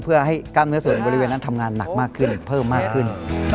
เพื่อให้กล้ามเนื้อส่วนบริเวณนั้นทำงานหนักมากขึ้นเพิ่มมากขึ้น